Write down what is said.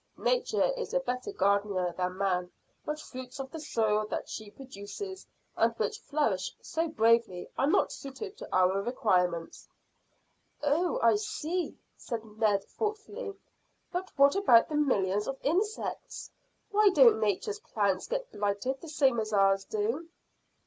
Nature is a better gardener than man, but fruits of the soil that she produces and which flourish so bravely are not suited to our requirements." "Oh, I see," said Ned thoughtfully. "But what about the millions of insects? Why don't Nature's plants get blighted the same as ours do?"